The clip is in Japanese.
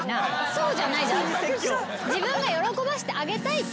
そうじゃないじゃないですか。